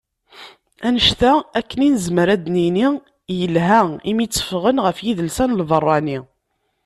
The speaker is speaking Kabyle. Annect-a akken i nezmer ad d-nini yelha imi tteffɣen ɣef yidelsan n lbeṛṛani.